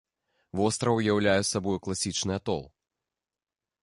Востраў уяўляе сабою класічны атол.